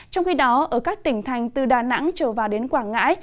trong khi đó ở các tỉnh thành từ đà nẵng trở vào đến quảng ngãi